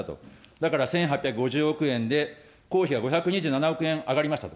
だから、１８５０億円で公費が５２７億円上がりましたと。